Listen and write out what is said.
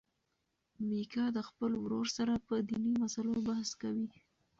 میکا د خپل ورور سره په دیني مسلو بحث کوي.